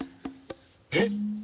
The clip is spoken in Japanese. えっ！？